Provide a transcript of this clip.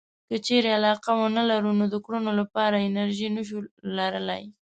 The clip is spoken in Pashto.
که چېرې علاقه ونه لرو نو د کړنو لپاره انرژي نشو لرلای.